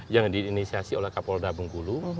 yang diinisiasi oleh kapolda bengkulu